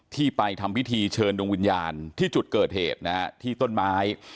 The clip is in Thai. ที่ไปทำพิธีเชิญดวงวิญญาณที่จุดเกิดเหตุนะฮะที่ต้นไม้